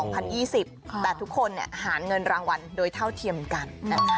แต่ทุกคนหาเงินรางวัลโดยเท่าเทียมกัน